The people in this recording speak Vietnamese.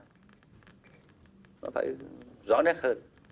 nó phải rõ nét hơn